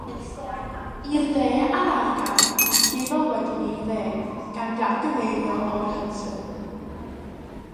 I'r dde o'r argae, mae'n llifo wedyn i'r de, gan ddargyfeirio o'r Hudson.